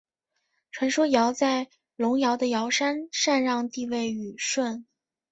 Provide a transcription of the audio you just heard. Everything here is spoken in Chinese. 传说尧在隆尧的尧山禅让帝位予舜。